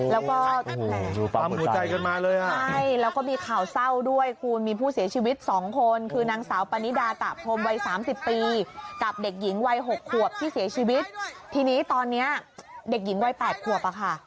แล้วก็ปั๊มหัวใจกันมาเลยอ่ะใช่แล้วก็มีข่าวเศร้าด้วยคุณมีผู้เสียชีวิตสองคนคือนางสาวปานิดาตะพรมวัยสามสิบปีกับเด็กหญิงวัย๖ขวบที่เสียชีวิตทีนี้ตอนเนี้ยเด็กหญิงวัย๘ขวบอ่ะค่ะ